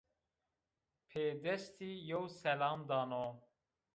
Pê destî yew selam dano